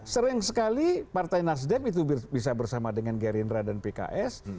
sering sekali partai nasdem itu bisa bersama dengan gerindra dan pks